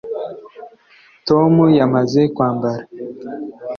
tom yamaze kwambara